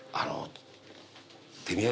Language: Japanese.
手土産